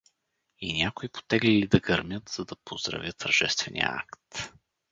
И някои потеглили да гърмят, за да поздравят тържествения акт.